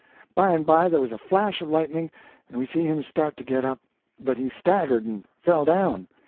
By and by there was a flash of lightning, and we see him start to get up, but he staggered and fell down.